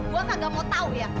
gua kagak mau tau ya